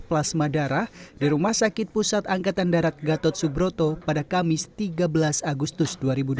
plasma darah di rumah sakit pusat angkatan darat gatot subroto pada kamis tiga belas agustus dua ribu dua puluh